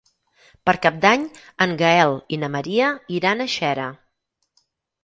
Per Cap d'Any en Gaël i na Maria iran a Xera.